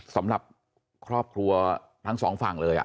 สำหรับครอบครัวทั้งสองฝั่งเลย